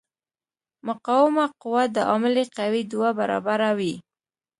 مقاومه قوه د عاملې قوې دوه برابره وي.